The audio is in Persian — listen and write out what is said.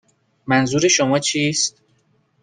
منظور شما چیست؟